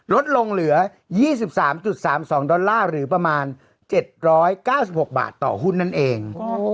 ลดลงเหลือ๒๓๓๒ดอลลาร์หรือประมาณ๗๙๖บาทต่อหุ้นนั่นเอง